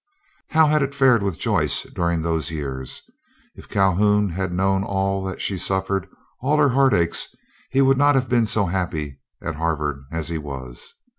How had it fared with Joyce during these years? If Calhoun had known all that she suffered, all her heartaches, he would not have been so happy at Harvard as he was.